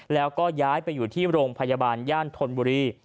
แล้วก็ย้ายไปอยู่ที่โรงพยาบาลย่านธนบุรี